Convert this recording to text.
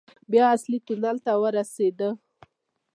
بيا اصلي تونل ته ورسېدو.